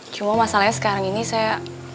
cuma masalahnya sekarang ini saya